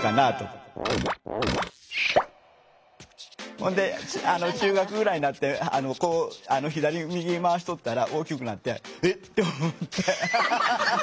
ほんで中学ぐらいになってこう左右にまわしとったら大きくなって「えっ！？」っと思って。